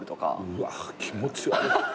うわ気持ち悪っ。